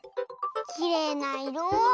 きれいないろ！